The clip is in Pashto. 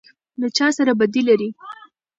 _ له چا سره بدي لری؟